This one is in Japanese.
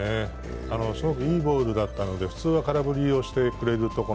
すごくいいボールだったので、普通は空振りをしてくれるとこ